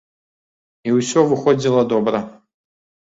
І ўсё выходзіла добра.